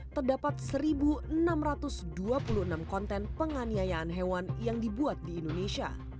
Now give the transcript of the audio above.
terdapat satu enam ratus dua puluh enam konten penganiayaan hewan yang dibuat di indonesia